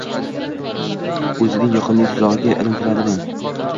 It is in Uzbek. O‘zining yoqimli tuzog‘ida ilintirarmidi?